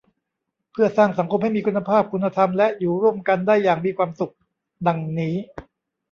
เพื่อสร้างสังคมให้มีคุณภาพ คุณธรรม และอยู่ร่วมกันได้อย่างมีความสุข ดังนี้